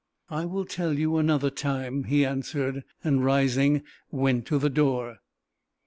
"I will tell you another time," he answered, and rising, went to the door.